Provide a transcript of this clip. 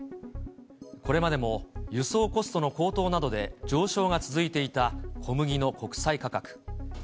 これまでも輸送コストの高騰などで上昇が続いていた小麦の国際価格。